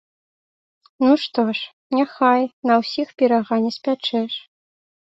Ну, што ж, няхай, на ўсіх пірага не спячэш.